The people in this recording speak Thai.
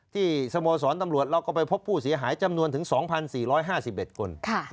ที่สโมสรตำรวจเราก็ไปพบผู้เสียหายจำนวนถึง๒๔๕๑คน